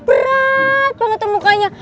berat banget tuh mukanya